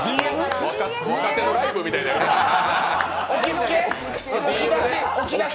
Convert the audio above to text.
若手のライブみたいですね。